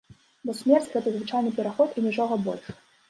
Бо смерць, гэта звычайны пераход і нічога больш.